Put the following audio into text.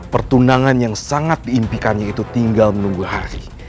pertundangan yang sangat diimpikannya itu tinggal menunggu hari